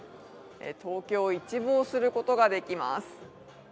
東京を一望することができます。